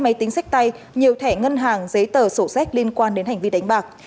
máy tính sách tay nhiều thẻ ngân hàng giấy tờ sổ sách liên quan đến hành vi đánh bạc